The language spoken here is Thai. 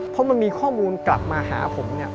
เพราะมันมีข้อมูลกลับมาหาผมเนี่ย